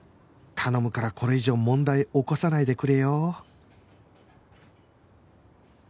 頼むからこれ以上問題起こさないでくれよ